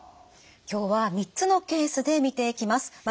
今日は３つのケースで見ていきます。